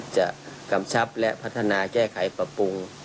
กำชับและพัฒนาแก้ไขปรับปรุง